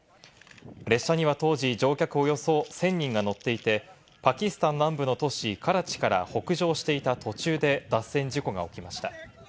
列車には当時乗客およそ１０００人が乗っていて、パキスタン南部の都市・カラチから北上していた途中で、脱線事故が起きました。